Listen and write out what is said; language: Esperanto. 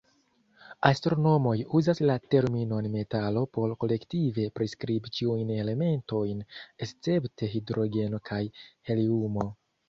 Astronomoj uzas la terminon "metalo" por kolektive priskribi ĉiujn elementojn escepte hidrogeno kaj heliumo.